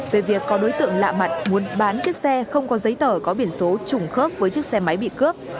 về việc có đối tượng lạ mặt muốn bán chiếc xe không có giấy tờ có biển số trùng khớp với chiếc xe máy bị cướp